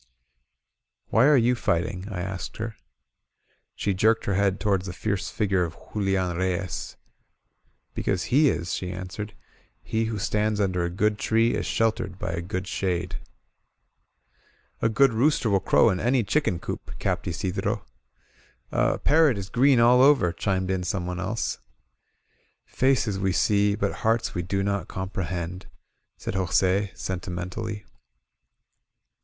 "Why are you fighting?" I asked her. She jerked her head toward the fierce figure of Ju lian Reyes. "Because he is," she answered. "He who stands under a good tree is sheltered by a good shade." A good rooster will crow in any chicken coop," capped Isidro. *^A parrot is green all over," chimed in someone else. Faces we see, but hearts we do not comprehend," said Jos£, sentimentally.